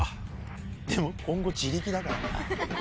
でも今後自力だからな。